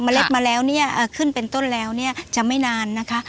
เล็ดมาแล้วเนี่ยขึ้นเป็นต้นแล้วเนี่ยจะไม่นานนะคะ